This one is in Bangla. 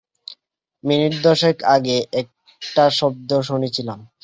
মিনিট দশেক আগে একটা শব্দ শুনেছিলাম।